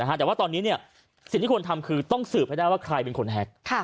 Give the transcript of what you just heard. แต่ว่าตอนนี้สิ่งที่ควรทำคือต้องสืบให้ได้ว่าใครเป็นคนแฮ็ก